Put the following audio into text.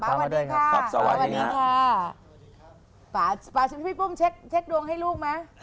ปันหวันดีครับ